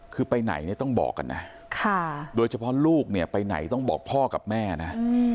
คือไปไหนเนี่ยต้องบอกกันนะโดยเฉพาะลูกเนี่ยไปไหนต้องบอกพ่อกับแม่นะ